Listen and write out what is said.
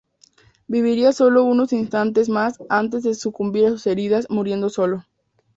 Viviría sólo unos instantes más antes de sucumbir a sus heridas, muriendo solo.